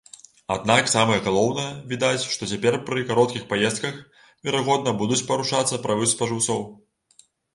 Аднак самае галоўнае, відаць, што цяпер пры кароткіх паездках, верагодна, будуць парушацца правы спажыўцоў.